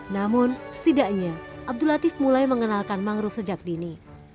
namun setidaknya abdul latif mulai mengenalkan mangrove sejak dini